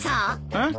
えっ？